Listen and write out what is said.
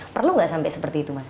perlu nggak sampai seperti itu mas